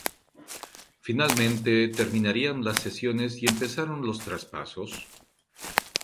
Finalmente, terminarían las cesiones y empezaron los traspasos.